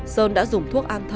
sơn đã dùng thuốc